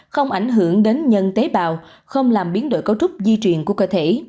không ảnh hưởng đến nhân tế bào không làm biến đổi cấu trúc di truyền của cơ thể